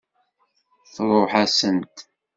Tṛuḥ-asent.